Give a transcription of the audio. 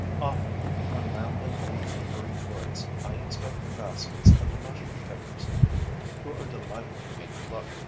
Often, when rambling in the neighboring woods, I inspect the baskets of the mushroom pickers, who are delighted for me to look.